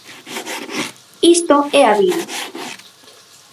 Isto é a vida.